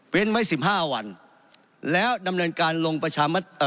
เป็นไว้สิบห้าวันแล้วดำเนินการลงประชามติ